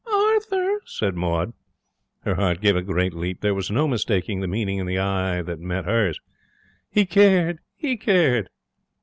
'Arthur!' said Maud. Her heart gave a great leap. There was no mistaking the meaning in the eye that met hers. He cared! He cared!